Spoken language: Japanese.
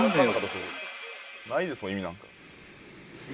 「ないですもん意味なんか」